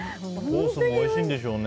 コースもおいしいんでしょうね。